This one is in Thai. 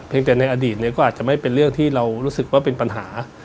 แต่ในอดีตเนี่ยก็อาจจะไม่เป็นเรื่องที่เรารู้สึกว่าเป็นปัญหา